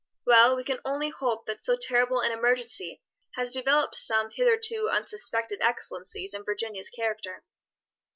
Well, we can only hope that so terrible an emergency has developed some hitherto unsuspected excellencies in Virginia's character."